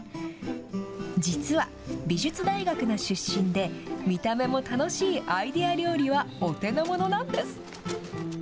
実は、美術大学の出身で、見た目も楽しいアイデア料理はお手の物なんです。